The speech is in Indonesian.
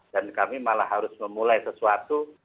dan kami malah harus memulai sesuatu